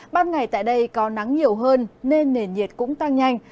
ban ngày tại đây có nắng nhiều hơn nên nền nhiệt cũng tăng nhanh